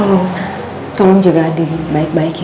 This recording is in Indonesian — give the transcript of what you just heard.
tolong tolong jaga andin baik baik ya